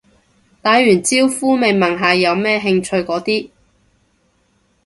打完招呼咪問下有咩興趣嗰啲